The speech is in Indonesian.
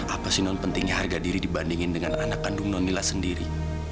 apa sih non pentingnya harga diri dibandingin dengan anak kandung nonila sendiri